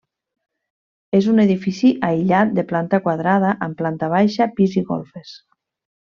És un edifici aïllat de planta quadrada amb planta baixa, pis i golfes.